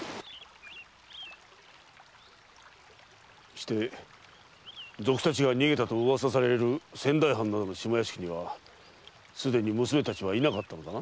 して賊たちが逃げたと噂される仙台藩などの下屋敷にはすでに娘たちはいなかったのだな？